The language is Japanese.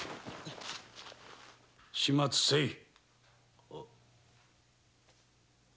始末せい！